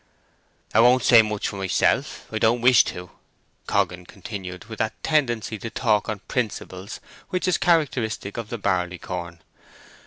"I won't say much for myself; I don't wish to," Coggan continued, with that tendency to talk on principles which is characteristic of the barley corn.